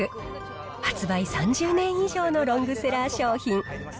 発売３０年以上のロングセラー商品。